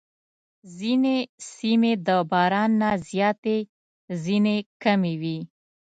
ځینې سیمې د باران نه زیاتې، ځینې کمې وي.